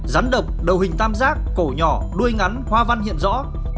rắn độc đầu hình tam giác cổ nhỏ đuôi ngắn hoa văn hiện rõ